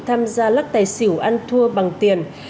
tham gia lắc tài xỉu ăn thua bằng tiền